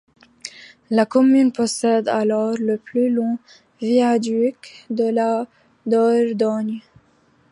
La commune possède alors le plus long viaduc de la Dordogne.